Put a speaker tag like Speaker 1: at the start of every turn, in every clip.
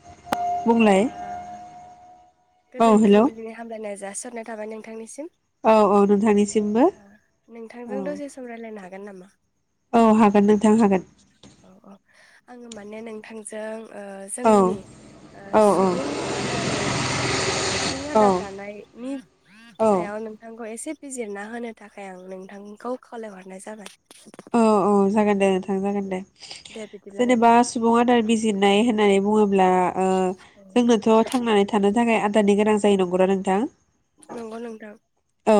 Speaker 1: [inaudible] बुंलाय
Speaker 2: ओ
Speaker 1: औ
Speaker 2: गोजोन
Speaker 1: हेल'
Speaker 2: फुंबिलिनि हामलायनाय जासिहरनाय थाबाय नोंथांनिसिम
Speaker 1: नोंथांनिसिमबो औ
Speaker 2: नोंथांजों दसेे सम रायलायनो हागोन [unintelligible] नामा
Speaker 1: औ हागोन नोंथां हागोन
Speaker 2: औ औ आङो माने नोंथांजों ओ
Speaker 1: औ
Speaker 2: जोंनि ओ
Speaker 1: औ
Speaker 2: सुबुं आदारनि जानाय सुबुं आदार
Speaker 1: औ
Speaker 2: जानायनि सायाव
Speaker 1: औ
Speaker 2: नोंथां औ एसे बिजिरना होनो थाखाय आं नोंथांखौ खावलाय हरनाय जाबाय
Speaker 1: औ औ जागोन दे नोंथां जागोन दे
Speaker 2: दे बिदिब्ला
Speaker 1: जेनेबा
Speaker 2: नोंथां
Speaker 1: सुबुं आदार बिजिरनाय होननानै बुङोब्ला ओ जोंनोथ' थांनानै थानो थाखाय आदारनि गोनां जायो नंगौना नोंथां
Speaker 2: नंगौ नोंथां
Speaker 1: औ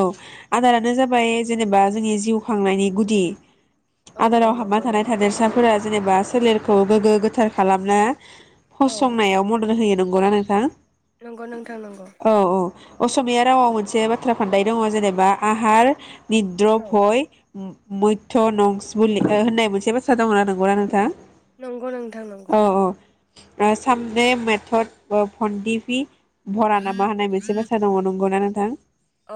Speaker 1: आदारानो जाबाय जेनेबा जोंनि जिउ खांनायनि गुदि
Speaker 2: औ औ
Speaker 1: आदाराव हाबना
Speaker 2: नंगौ
Speaker 1: थानाय
Speaker 2: नंगौ
Speaker 1: थादेरसाफोरा जेनेबा सोलेरखौ गोग्गो गोथार खालामनो
Speaker 2: औ
Speaker 1: फसंनायाव मदद होयो नंगौना नोंथां
Speaker 2: नंगौ नोंथां नंगौ
Speaker 1: औ औ असमिया रावाव मोनसे बाथ्रा फान्द दङ जेनेबा आहार निद्र
Speaker 2: औ
Speaker 1: भय ओ मैथ्य नं सुलि ओ होननाय मोनसे बाथ्रा दंना नंगौना नोंथां
Speaker 2: नंगौ नोंथां नंगौ
Speaker 1: औ औ ओ सामदे मेथद ओ भन्दिफि भरा नामा होननाय मोनसे बाथ्रा दङ नंगौना थां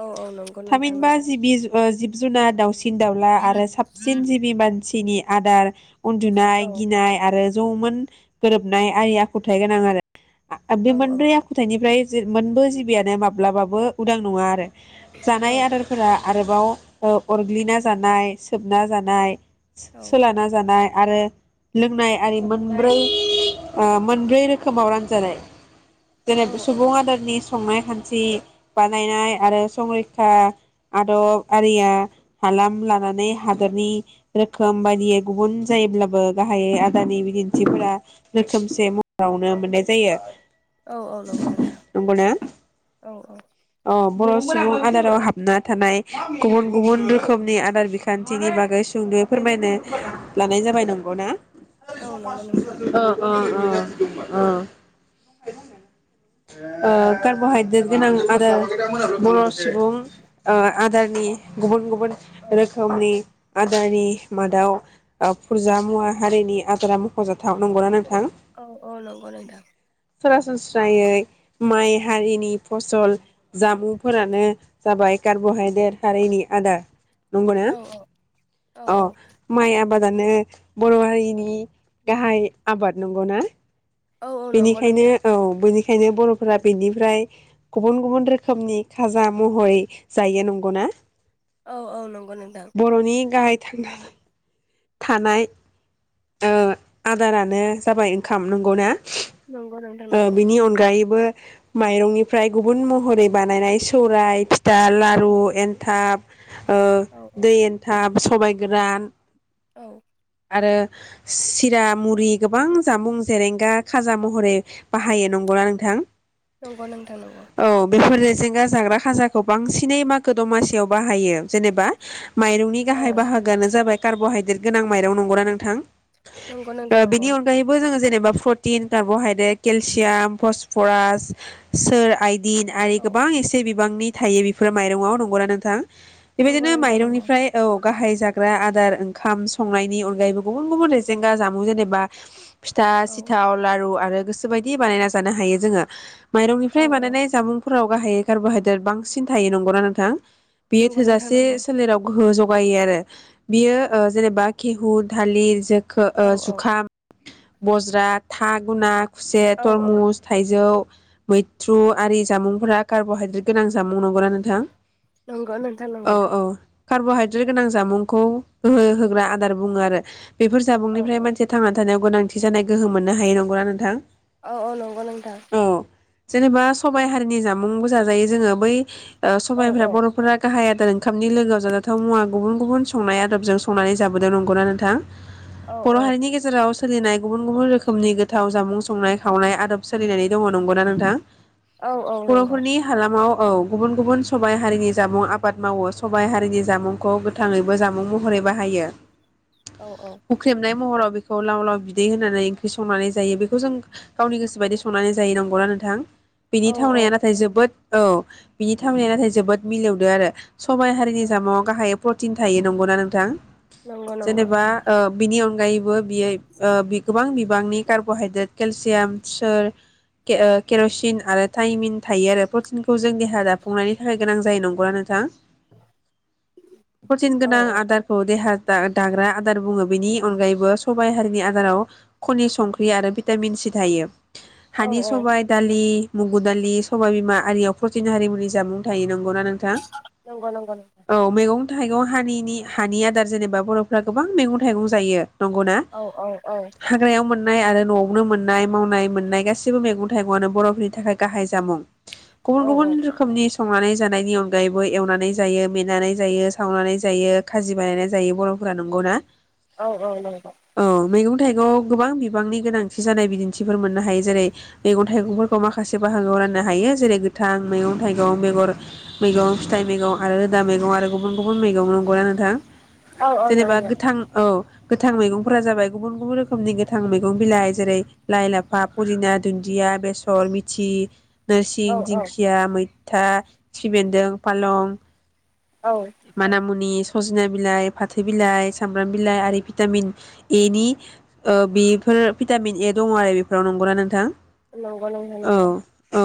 Speaker 2: औ औ नंगौ नोंथां
Speaker 1: थामहिनबा
Speaker 2: नंगौ
Speaker 1: जिबि ओ जिब जुनाद दाउसिन दाउला आरो साबस [unintelligible] मानसिनि आदार उन्दुनाय
Speaker 2: औ औ
Speaker 1: गिनाय आरो जौमोन गोरोबनाय आय आखुथायाइ गोनां आरो आं बे
Speaker 2: औ
Speaker 1: मोनब्रै आखुथायाइनिफ्राय जे मोनबो जिबियानो माब्लाबाबो उदां नङा आरो
Speaker 2: औ
Speaker 1: जानाय
Speaker 2: औ
Speaker 1: आदारफोरा आरो आव ओ अरग्लिना जानाय सोब ना जानाय
Speaker 2: औ
Speaker 1: सोलाना जानाय आरो लोंनाय आरि मोनब्रै ओ मोनब्रै रोखोमाव रानजानाय
Speaker 2: औ
Speaker 1: जेनेब
Speaker 2: औ
Speaker 1: सुबुं आदारनि संनाय खान्थि बानायनाय आरो संरैखा आदब आरिया हालाम लानानै हादरनि रोखोम बायदियै गुबुन जायोब्लाबो गाहायै आदारनि बिदिन्थिफोरा रोखोमसे महरावनो मोननाय जायो।
Speaker 2: औ औ नंगौ नोंथां
Speaker 1: नंगौना
Speaker 2: औ औ
Speaker 1: अ बर' सुबुं आदाराव हाबना थानाय गुबुन गुबुन रोखोमनि आदार बिखान्थिनि बागै सुंद'यै फोरमायनो लानाय जाबाय नंगौ ना?
Speaker 2: औ नंगौ नोंथां
Speaker 1: ओ ओ ओ ओ [unintelligible] ओ कार्बहाइद्रेट गोनां आरो बर सुबुं ओ आदार नि गुबुन गुबुन
Speaker 2: औ
Speaker 1: गुबुन रखोमनि। आदारनि मादाव फुरजा मुवा हारिनि आदारा मखजाथाव नंगौना नों
Speaker 2: औ औ नंगौ नोंथां।
Speaker 1: सरासनस्रा यायै माइ हारिनि फसल जामुंफोरानो जाबाय कार्बहाइद्रेट हारिनि आदार। नंगौना
Speaker 2: औ
Speaker 1: औ माइ आब आबादानो बर हारिनि गाहाय आबाद नंगौना।
Speaker 2: औ औ नंगौ
Speaker 1: बेनिखायनो
Speaker 2: नोंथां
Speaker 1: औ। बेनिखायनो बरफोरा बेनिफ्राय गुबुन गुबुन रोखोमनि खाजा महरै जायो नंगौना।
Speaker 2: औ औ नंगौ नोंथां।
Speaker 1: बर'नि [unintelligible] थानाय ओ आदारानो जाबाय ओंखाम नंगौना।
Speaker 2: नंगौ नोंथां
Speaker 1: ओ
Speaker 2: नंगौ
Speaker 1: बिनि अनगायैबो। माइरंनिफ्राय गुबुन महरै बानायनाय सौराय। दा
Speaker 2: औ
Speaker 1: लारु एन्थाब। ओ
Speaker 2: औ औ
Speaker 1: दै एन्थाब। सबाय गोरान।
Speaker 2: औ।
Speaker 1: आरो सिरा मुरि गोबां जामुं जेरेंगा खाजा महरै। बाहायो नंगौना नोंथां?
Speaker 2: नंगौ नोंथां नंगौ।
Speaker 1: औ बेफोर लेजेंगा जाग्रा खाजाखौ बांसिनै मागो दमासियाव बाहायो जेनेबा। माइरंनि
Speaker 2: औ
Speaker 1: गाहाय बाहागोआनो जाबाय कार्ब'हाइद्रेट। गोनां माइरं नंगौना नोंथां?
Speaker 2: नंगौ
Speaker 1: ओ
Speaker 2: नोंथां नंगौ
Speaker 1: बिनि अनगायैबो जोङो। जेनेबा प्रटिन कारबहाइदेट। केलसियाम फसफरास सोर आइ दिन आरो
Speaker 2: औ
Speaker 1: गोबां एसे। गोबांनि थायो बेफोर माइरंआव नंगौना नोंथां?
Speaker 2: नंगौ
Speaker 1: बेबायदिनो
Speaker 2: नोंथां नंगौ
Speaker 1: माइरंनिफ्राय औ। गाहाय जाग्रा आदार ओंखाम संनायनि अनगायैबो गुबुन गुबुन रेजेंगा जामुं जेनेबा। फिथा
Speaker 2: औ
Speaker 1: सिथाव लारु आरो। बे बादि बानायना जानो हायो जोङो।
Speaker 2: औ
Speaker 1: माइरंनिफ्राय
Speaker 2: औ
Speaker 1: बानायनाय जामुंफोराव गाहायै खारब'हाय देर बांसिन थायो नंगौ ना नोंथां? बेयो
Speaker 2: नंगौ नोंथां
Speaker 1: थोजासे
Speaker 2: नंगौ
Speaker 1: सोलेराव गोहो ज गायो आरो बियो ओ जेनेबा खेहु थालिर जो खो ओ
Speaker 2: औ
Speaker 1: जुखाम बज्रा था गुना खुसेर,
Speaker 2: औ औ
Speaker 1: तरमुस, थाइजौ मैथ्रु आरि जामुंफोरा कार्ब'हाइद्रेट गोनां जामुं। नंगौना नोंथां?
Speaker 2: नंगौ नोंथां
Speaker 1: औ
Speaker 2: नंगौ
Speaker 1: औ कार्ब'हाइद्रेट गोनां जामुंखौ गोहो होग्रा आदार बुङो आरो। बेफोर
Speaker 2: औ
Speaker 1: जाबुंनिफ्राय मानसिया थांना थानायाव गोनांथि जानाय गोहो मोननो हायो नंगौना नोंथां।
Speaker 2: औ अ नंगौ नोंथां।
Speaker 1: औ जेनेबा सबाइ हारिनि जाब मुंबो जाजायो जोङो बै ओ
Speaker 2: औ
Speaker 1: सबायफोरा
Speaker 2: औ
Speaker 1: ओ बर'फोरा गाहाय आ ओंखामनि लोगोआव जाजाथाव मुवा गुबुन गुबुन संनाय आदबजों संनानै जाबोदों नंगौना नोंथां।
Speaker 2: औ
Speaker 1: बर' हारिनि गेजेराव सोलिनाय गुबुन गुबुन रोखोमनि गोथाव जामुं संनाय खावनाय आदब सोलिनानै दङ नंगौना नोंथां
Speaker 2: औ औ नंगौ औ
Speaker 1: बर'फोरनि हालामाव औ गुबुन गुबुन सबाइ हारिनि जामुं आबाद मावो। सबाइ हारिनि जामुंखौ गोथाङैबो जामुं महरै बाहायो।
Speaker 2: औ
Speaker 1: हुख्रेमनाय महराव बे खौ लाव लाव बिदै होनानै ओंख्रि संनानै जायो बेखौ जों [inaudible] गावनि गोसोबायदि संनानै जायो नंगौना नों थां बिनि
Speaker 2: औ औ
Speaker 1: थावनाया नाथाय जोबोद औ बिनि थावनाया नाथाय जोबोद मिलौदो आरो। सबाइ हारिनि
Speaker 2: औ
Speaker 1: जामुङाव गाहायै प्रटिन थायो नंगौना नोंथां?
Speaker 2: नंगौ नंगौ
Speaker 1: जेनेबा ओ बिनि अनगायै बो बियो ओ बि गोबां बिबांनि कार्ब'हाइद्रेट केलसियाम सोर केर केर'सिन आरो थाइमिन थायो आरो प्रटिनखौ जों देहा दाफुंनायनि थाखाय गोनां जायो नंगौना नोंथां? प्रटिन
Speaker 2: औ
Speaker 1: गोनां
Speaker 2: औ
Speaker 1: आदारखौ देहा दा दाग्रा आदार बुङो बेनि अनगायैबो सबाइ हारिनि आदाराव खनि संख्रि आरो बिद भिटामिन सि थायो।
Speaker 2: औ
Speaker 1: हानि सबाय, दालि मुगु दालि सबायबिमा आरियाव प्रतिन हारिमुनि जामुं थायो नों गौ ना नोंथां
Speaker 2: नंगौ नंगौ नोंथां
Speaker 1: औ मेगं थाइगं हानिनि हानि आदार जेनेबा बर'फ्रा गोबां मैगं थाइगं जायो। नंगौना
Speaker 2: औ औ औ
Speaker 1: हाग्रायाव मोन नाय आरो न' संनो मोननाय मावनाय मोननाय गासिबो मेगं थाइगंआनो बर'फोरनि थाखाय गाहाय जामुं। गुबुन
Speaker 2: औ
Speaker 1: गुबुन
Speaker 2: औ
Speaker 1: रोखोमनि संनानै जानायनि अनगायैबो एवनानै जायो मेनानै जायो, सावनानै जायो, खाजि बानायना जायो बर'फोरा नंगौना?
Speaker 2: औ औ नंगौ।
Speaker 1: थाइगङाव गोबां बिबांनि गोनां जानाय बिदिन्थिफोर मोननो हायो जेरै मैगं थाइगंफोरखौ माखासे बाहागोआव राननो हायो जेरै गोथां मैगं थाइगं बेगर मैगं फिथाइ मैगं आरो रोदा मैगं आरो गुबुन गुबुन मैगं नंगौ ना नोंथां?
Speaker 2: औ औ
Speaker 1: जेनेबा
Speaker 2: नंगौ
Speaker 1: गोथां औ। गोथां मैगंफोरा जाबाय गुबुन गुबुन रोखोमनि गोथां मैगं बिलाइ। जेरै लाइ, लाफा, पुदिना, दुन्दिया, बेसर, मिथि,
Speaker 2: औ
Speaker 1: नोरसिं,
Speaker 2: औ
Speaker 1: दिंखिया, मै था, खिफिबेन्दों, फालं
Speaker 2: औ
Speaker 1: मानामुनि सज'ना बिलाइ, फाथो बिलाइ, सामब्राम बिलाइ आरि भिटामिन एनि ओ बेफोर भिटामिन ए दङ' आरो बेफोराव नंगौना नोंथां?
Speaker 2: नंगौ नोंथां
Speaker 1: औ
Speaker 2: नंगौ
Speaker 1: औ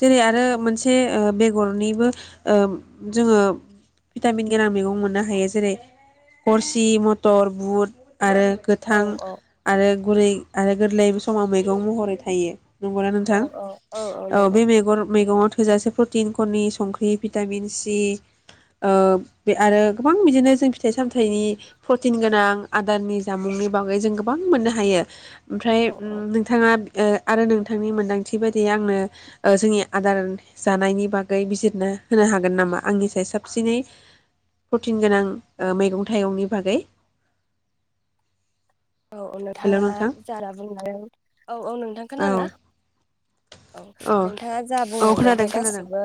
Speaker 1: जेरै आरो मोनसे ओ बेगरनिबो ओ जोङो भिटामिन गोनां मैगं मोननो हायो जेरै गरसि, मटर, बुट, आरो
Speaker 2: औ
Speaker 1: गोथां आरो गुरै आरो गोरलैबो समाव मैगं महरै थायो। नंगौना
Speaker 2: औ
Speaker 1: नोंथां? औ
Speaker 2: नंगौ
Speaker 1: बे मेगं मैगङाव थोजासे प्रटिन खनि संख्रि भिटामिन सि ओ बे आरो गोबां बिदिनो जों फिथाइ-सामथाइनि प्रटिन गोनां आदारनि जामुंनि बागै जों गोबां मोननो हायो। ओमफ्राय
Speaker 2: औ औ
Speaker 1: नोंथाङा ओ आरो नोंथांनि मोन्दांथि बायदियै आंनो ओ जोंनि आदार जानायनि बागै बिजिरना होनो हागोन नामा? आंनि साय साबसिनै प्रटिन गोनां ओ मैगं-थाइगंनि बागै।
Speaker 2: औ
Speaker 1: हेल'
Speaker 2: नोंथाङा
Speaker 1: नोंथां
Speaker 2: जान बुं औ औ नोंथां
Speaker 1: औ
Speaker 2: खोनादोना? औ नोंथाङा जा
Speaker 1: औ
Speaker 2: बुंलांदों
Speaker 1: खोनादों
Speaker 2: बे
Speaker 1: खोनादों
Speaker 2: गासिबो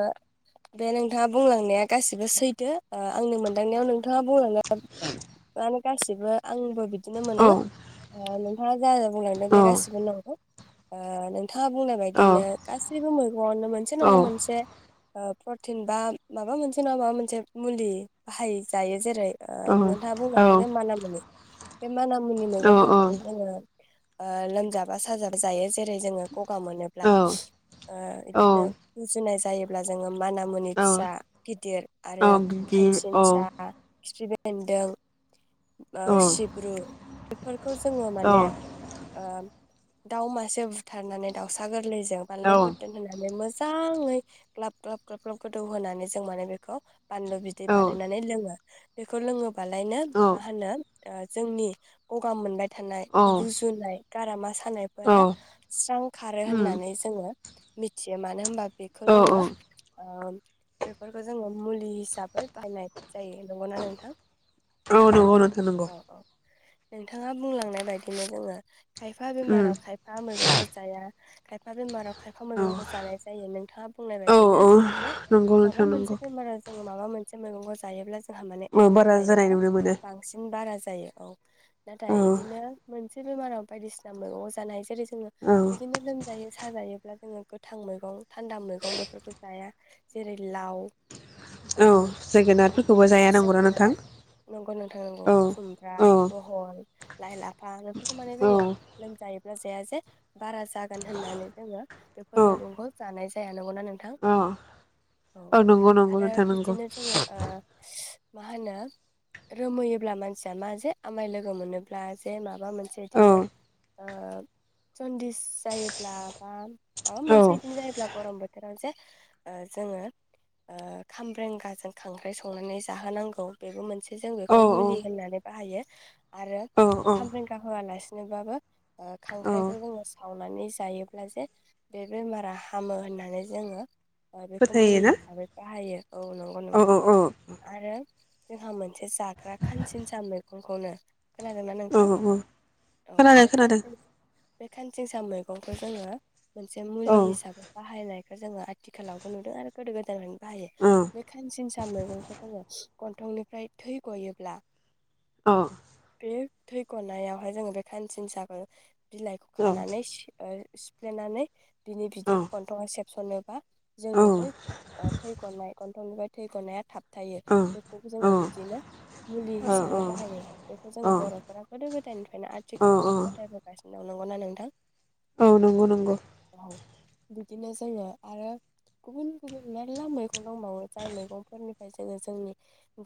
Speaker 2: बे नोंथाङा बुंलांनाया गासिबो सैथो ओ आंनि मोनदांनायाव नोंथाङा बुंलांनाय माने गासिबो आंबो बिदिनो
Speaker 1: औ
Speaker 2: मोन्दाङो। ओ नोंथाङा जा जा बुंलांदों बे
Speaker 1: औ
Speaker 2: गासिबो नंगौ। आ नों थाङा बुंनाय
Speaker 1: औ
Speaker 2: बायदिनो गासैबो मैगंआवनो मोनसे
Speaker 1: औ
Speaker 2: नङा मोनसे ओ प्रटिन बा माबा मोनसे नङा माबा मोनसे मुलि बाहाय जायो जेरै ओ
Speaker 1: औ
Speaker 2: नोंथाङा
Speaker 1: औ
Speaker 2: बुंलांनोे जे माना मुनि। बे मानाम मानामुनि मैगंफोरखौबो जोङो ओ लोमजाबा साजाबा जायो जेरै जोङो गगा मोनोब्ला
Speaker 1: औ
Speaker 2: [unintelligible] ओ इदिनो गुजुनाय जा जायोब्ला जोङो माना मुनि
Speaker 1: औ
Speaker 2: फिसा गिदिर आरो
Speaker 1: औ बिदि औ
Speaker 2: खानसिनसा खिफिबेन बेनदों ओ
Speaker 1: औ
Speaker 2: सिब्रु फोरखौ जोंङो
Speaker 1: औ
Speaker 2: माने ओ दाउ मासे बुथारनानै दाउसा गोरलैजों जों बानलु
Speaker 1: औ
Speaker 2: बोरदोन होनानै मोजा मोजाङै ग्लाब ग्लाब ग्लाब ग्लाब गोदौ होनानै जों माने बेखौ बानलु बिदै बानायनानै लोंङो। बेखौ लोंङोब बालायनो
Speaker 1: औ औ
Speaker 2: मा होनो ओ जोंनि गगा मोननाय थानाय
Speaker 1: औ
Speaker 2: गुजुनाय गारामा सा सानायफोरा स्रां खारो
Speaker 1: उम
Speaker 2: होननानै जोंङो मिथियो मानो होनबा बेखौ
Speaker 1: औ औ
Speaker 2: जोंङो ओ बेफोरखौ जोंङो मुलि हिसाबै बायनाय जायो नंगौना नोंथां
Speaker 1: नंगौ नोंथां नंगौ
Speaker 2: औ औ। नोंथाङा बुंलांनाय बायदिनो जोंङो खायफा
Speaker 1: उम
Speaker 2: बेमाराव खायफा मैगंखौ जाया खायफा बेमाराव खायफा
Speaker 1: औ
Speaker 2: मैगंखौ जानाय जायो नोंथाङा बुंनाय
Speaker 1: औ
Speaker 2: बायदिनो
Speaker 1: औ
Speaker 2: जे
Speaker 1: नंगौ
Speaker 2: माबा
Speaker 1: नोंथां
Speaker 2: मोनसे
Speaker 1: नंगौ
Speaker 2: बेमाराव जों माबा मोनसे मैगंखौ जायोब्ला जोंहा माने
Speaker 1: औ
Speaker 2: एफेक्ट
Speaker 1: बारा जानाय
Speaker 2: जायोबा
Speaker 1: नुनो मोनो
Speaker 2: बांसिन बारा जायो औ। नाथाय
Speaker 1: औ
Speaker 2: इदिनो मोनसे बेमाराव बायदिसिना मैगं जानाय जेरै जोंङो
Speaker 1: औ
Speaker 2: बिदिनो लोमजायो साजायो। अब्ला जोंङो गोथां मैगं थान्दा मैगं बेफोरखौ जाया जेरै लाव ओ
Speaker 1: औ जोगोनारफोरखौबो
Speaker 2: बिदिनो
Speaker 1: जाया नंगौना
Speaker 2: जोगोनार
Speaker 1: नोंथां
Speaker 2: नंगौ नोथां नंगौ
Speaker 1: औ
Speaker 2: खुमब्रा
Speaker 1: औ
Speaker 2: लाइ लाफा फोरखौ माने जोंङो
Speaker 1: औ
Speaker 2: लोमजायो जाया जे बारा जागोन होननानै जोंङो बेफोर
Speaker 1: औ
Speaker 2: मैगंखौ जानाय जाया। नंगौ ना नोंथां?
Speaker 1: अ
Speaker 2: औ
Speaker 1: नंगौ नंगौ
Speaker 2: आरो
Speaker 1: नोंथां नंगौ
Speaker 2: बिदिनो जोंङो ओ मा होनो रोमैयोब्ला मानसिया मा जे आमाय लोगो मोनोब्ला जे माबा मोनसे
Speaker 1: औ
Speaker 2: बिदिनो ओ जन्दिस जायोब्ला बा माबा
Speaker 1: औ
Speaker 2: मोनसे बिदिनो जायोब्ला गरम बोथोराव जे ओ जोङो ओ खामब्रेंगाजों खांख्राइ संनानै जाहोनांगौ बेबो मोनसे जों
Speaker 1: औ
Speaker 2: बेखौ मुलि होननानै बाहायो। आरो
Speaker 1: औ औ
Speaker 2: खामरेंगा होआलासिनोबाबो ओ
Speaker 1: औ
Speaker 2: खांख्राइखौ जोङो सावनानै जायोब्ला जे बे बेमारा हामो होननानै जोङो ओ बेखौ
Speaker 1: फोथायो
Speaker 2: मुलि
Speaker 1: ना
Speaker 2: हिसाबै बाहायो औ नंगौ
Speaker 1: औ औ
Speaker 2: नोंथां
Speaker 1: औ
Speaker 2: आरो जोंहा मोन एसे जाग्रा खानसिनसा मैग गंखौनो खोनादोंना
Speaker 1: औ
Speaker 2: नोंथां
Speaker 1: औ
Speaker 2: औ
Speaker 1: खोनादों
Speaker 2: बे
Speaker 1: खोनादों
Speaker 2: खानसिन बि खान सा मैगंखौ जोङो मोनसे
Speaker 1: औ
Speaker 2: मुलि हिसाबै बाहायनाय जोङो आथिखालावबो नुदों आरो गोदो गोदाय बाहायो
Speaker 1: औ
Speaker 2: बे खानसिनसा मैगंखौ जोङो गन्थंनिफ्राय थै ग'योब्ला
Speaker 1: अ
Speaker 2: बे थै गनायावहाय जोङो बे खानसिनसाखो बिलाइखौ
Speaker 1: औ
Speaker 2: खानानै से ओ सिफ्लेनानै बिनि
Speaker 1: औ
Speaker 2: बिदैखौ गन्थङाव सेबसननो
Speaker 1: औ
Speaker 2: जोंनि बै ओ थैगनाय गन थंनिफ्राय थै गनाया थाब थायो बेखौबो जोङो बिदिनो मुलि
Speaker 1: औ
Speaker 2: हिसाबै बाहायो बेखौ जोङो बर'फोरा गोदो गोदायनिफ्रायनो आथिखालावबो फोथायबोगासिनो। नंगौ ना नोंथां।
Speaker 1: औ नंगौ नंगौ
Speaker 2: औ। बिदिनो जोङो आरो गुबुन गुबुन मेरला मैगं दंबावो जाय मैगंफोरनिफ्राय जोङो जोंनि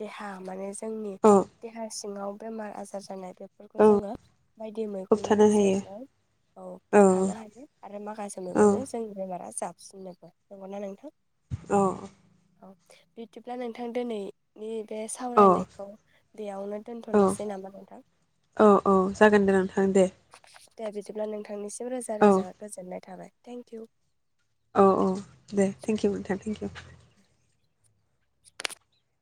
Speaker 2: देहा माने जोंनि
Speaker 1: औ
Speaker 2: देहा सिङाव बेमार आजार जानाय बेफोरखौ
Speaker 1: औ
Speaker 2: जोङो बायदि मैगंनि
Speaker 1: होबथानो हायो
Speaker 2: गेजेरजों औ बोखानो हायो आरो माखासे
Speaker 1: औ
Speaker 2: मैगंजों जोंनि बेमारा साबसिननोबो नंगौना नोंथां
Speaker 1: औ
Speaker 2: औ बिदिब्ला नोंथां दिनैनि बे
Speaker 1: औ औ
Speaker 2: सावरायनायखौ बेयावनो
Speaker 1: औ
Speaker 2: दोनथ'नोसै नामा नोंथां
Speaker 1: औ जागोन दे नोंथां दे
Speaker 2: दे बिदिब्ला नोंथांनिसिम रोजा
Speaker 1: औ
Speaker 2: रोजा गोजोननाय थाबाय थेंकिउ
Speaker 1: औ औ दे थेंकिउ नोंथा थेंकिउ
Speaker 2: [inaudible] [inaudible]